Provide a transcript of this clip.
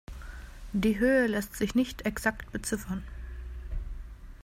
Die Höhe lässt sich nicht exakt beziffern.